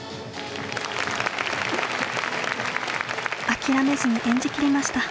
諦めずに演じきりました。